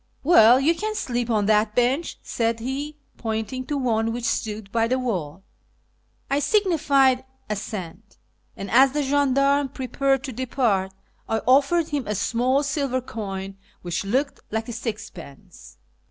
" Well, you can sleep on that bench," said he, pointing to one which stood by the wall. I signified assent, and, as the gendarme prepared to depart, I offered him a small silver coin which looked like a sixpence.